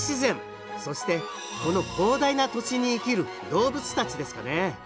そしてこの広大な土地に生きる動物たちですかね